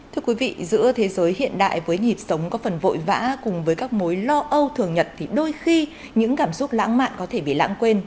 thưa quý vị giữa thế giới hiện đại với nhịp sống có phần vội vã cùng với các mối lo âu thường nhật thì đôi khi những cảm xúc lãng mạn có thể bị lãng quên